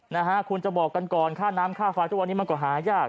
นะฮะคุณจะบอกกันก่อนค่าน้ำค่าไฟทุกวันนี้มันก็หายาก